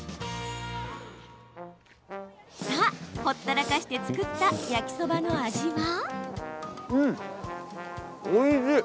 さあ、ほったらかして作った焼きそばの味は。